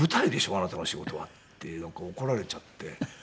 あなたの仕事は」ってなんか怒られちゃって。